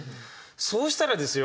そうしたらですよ